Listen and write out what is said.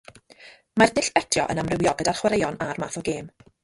Mae'r dull betio yn amrywio gyda'r chwaraeon a'r math o gêm.